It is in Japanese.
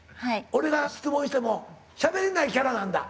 俺が質問してもしゃべれないキャラなんだ。